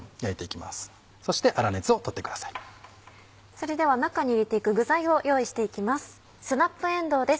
それでは中に入れていく具材を用意していきます。